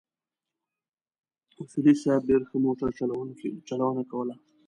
اصولي صیب ډېره ښه موټر چلونه کوله.